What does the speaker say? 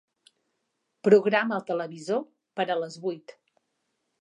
Programa el televisor per a les vuit.